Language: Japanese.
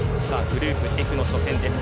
グループＦの初戦です。